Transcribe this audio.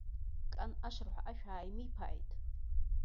Кан ашырҳәа ашә ааимиԥааит.